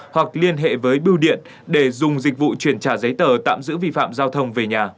hoặc liên hệ với bưu điện để dùng dịch vụ chuyển trả giấy tờ tạm giữ vi phạm giao thông về nhà